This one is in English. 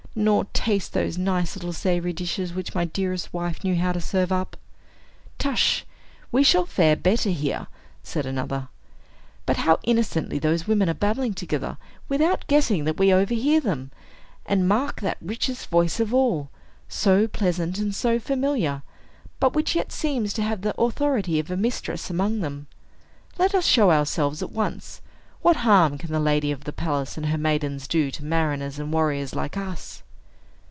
nor taste those nice little savory dishes which my dearest wife knew how to serve up?" "Tush! we shall fare better here," said another. "But how innocently those women are babbling together, without guessing that we overhear them! And mark that richest voice of all, so pleasant and so familiar, but which yet seems to have the authority of a mistress among them. Let us show ourselves at once. What harm can the lady of the palace and her maidens do to mariners and warriors like us?"